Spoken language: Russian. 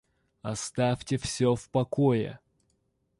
Оставьте всё в покое!